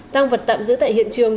tăng vật tạm giữ tại hiện trường